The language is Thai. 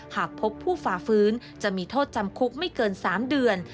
หากพบผู้ฝ่าฟื้นจะมีโทษจำคุกไม่เกิน๓เดือน